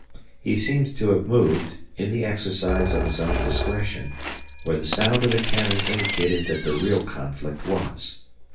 He seems to have moved, in the exercise of his own discretion, where the sound of the cannon indicated that the real conflict was.